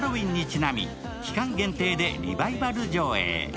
ちなみ、期間限定でリバイバル上映。